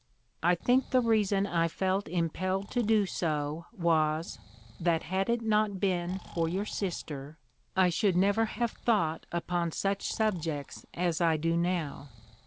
I think the reason I felt impelled to do so was, that had it not been for your sister I should never have thought upon such subjects as I do now.